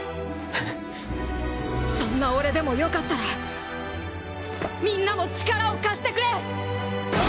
そんな俺でもよかったらみんなも力を貸してくれ！